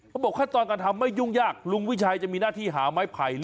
บอกขั้นตอนการทำไม่ยุ่งยากลุงวิชัยจะมีหน้าที่หาไม้ไผ่